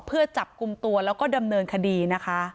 เพื่อจับกลุ่มตัวแล้วก็ดำเนินคดีนะคะ